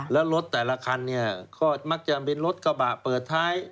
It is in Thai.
แล้วรถแต่ละคันเนี่ยก็มักจะเป็นรถกระบะเปิดท้าย